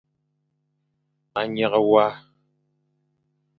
Ma nyeghe wa.